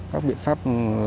các biện pháp